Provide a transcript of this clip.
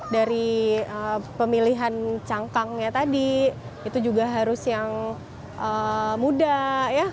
dari pemilihan cangkangnya tadi itu juga harus yang mudah